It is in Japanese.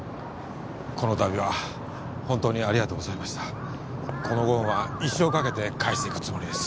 このたびは本当にありがとうございましたこのご恩は一生かけて返していくつもりです